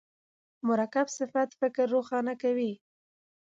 مرکب صفت فکر روښانه کوي.